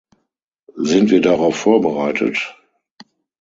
Sind wir darauf vorbereitet?